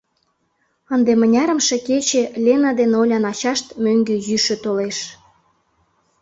Ынде мынярымше кече Лена ден Олян ачашт мӧҥгӧ йӱшӧ толеш.